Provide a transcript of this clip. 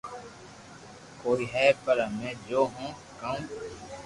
ڪوئي ھي پر ھمي جو ھون ڪو ڪاو